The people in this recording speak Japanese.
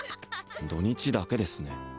土日だけですね